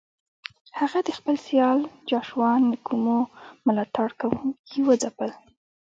هغه د خپل سیال جاشوا نکومو ملاتړ کوونکي وځپل.